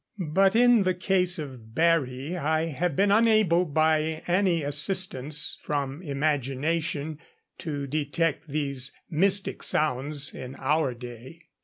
But in the case of Barry I have been unable, by any assistance from imagination, to detect these mystic sounds in our day.